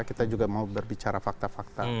kita juga mau berbicara fakta fakta